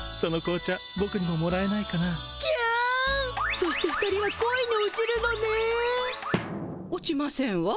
そして２人は恋に落ちるのね♥落ちませんわ。